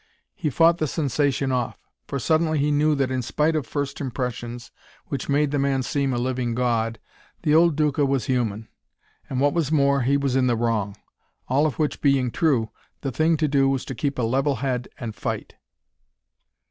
He fought the sensation off. For suddenly he knew that in spite of first impressions which made the man seem a living god, the old Duca was human. And what was more, he was in the wrong. All of which being true, the thing to do was keep a level head and fight.